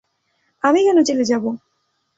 আমি কেন জেলে যাব?